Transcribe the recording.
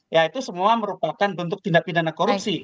ya itu semua merupakan bentuk tindak pidana korupsi